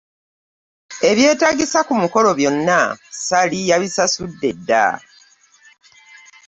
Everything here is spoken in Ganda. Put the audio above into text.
Ebyetaagisa ku mukolo byonna Ssali yabisasudde dda.